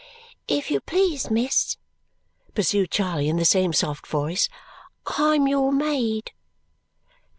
"If you please, miss," pursued Charley in the same soft voice, "I'm your maid."